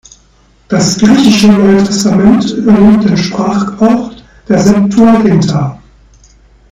Das griechische Neue Testament übernimmt den Sprachgebrauch der Septuaginta.